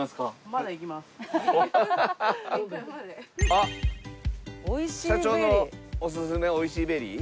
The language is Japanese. あっ社長のおすすめおいＣベリー？